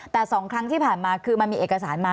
แต่๒ครั้งที่ผ่านมาคือมันมีเอกสารมา